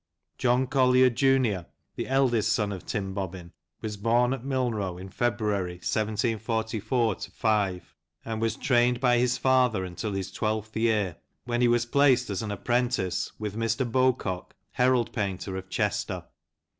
John Collier, jun., the eldest son of Tim Bobbin, was born at Milnrow, in February, 1744 5, ^^^^^^ trained by his father until his twelfth year, when he was placed as an apprentice with Mr. Bowcock, herald painter, of Chester.